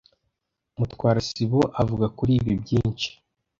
Mutwara sibo avuga kuri byinshi.